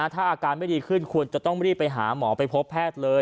ถ้าอาการไม่ดีขึ้นควรจะต้องรีบไปหาหมอไปพบแพทย์เลย